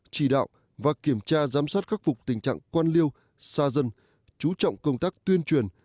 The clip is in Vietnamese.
chỉ đạo và kiểm tra giám sát khắc phục tình trạng quan liêu xa dân chú trọng công tác tuyên truyền